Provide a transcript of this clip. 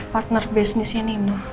partner bisnisnya nimo